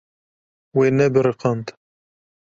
Wê nebiriqand.